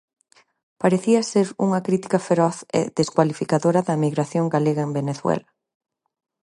Parecía ser unha crítica feroz e descualificadora da emigración galega en Venezuela.